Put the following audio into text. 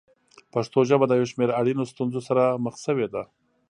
پښتو ژبه د یو شمېر اړینو ستونزو سره مخ شوې ده.